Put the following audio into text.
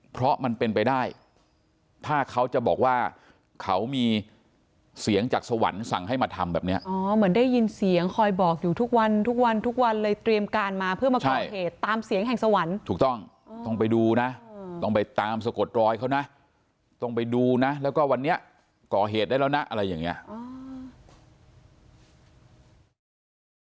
เพราะมันเป็นไปได้ถ้าเขาจะบอกว่าเขามีเสียงจากสวรรค์สั่งให้มาทำแบบเนี้ยอ๋อเหมือนได้ยินเสียงคอยบอกอยู่ทุกวันทุกวันทุกวันเลยเตรียมการมาเพื่อมาก่อเหตุตามเสียงแห่งสวรรค์ถูกต้องต้องไปดูนะต้องไปตามสะกดรอยเขานะต้องไปดูนะแล้วก็วันนี้ก่อเหตุได้แล้วนะอะไรอย่างเงี้ย